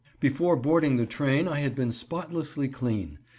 "] Before boarding the train I had been spotlessly clean.